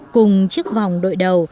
cùng chiếc vòng đội đầu